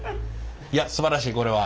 いやすばらしいこれは。